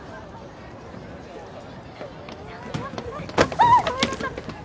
あーっごめんなさい！